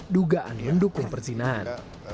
dugaan mendukung perzinan